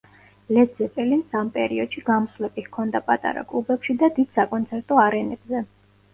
ლედ ზეპელინს ამ პერიოდში გამოსვლები ჰქოდა პატარა კლუბებში და დიდ საკონცერტო არენებზე.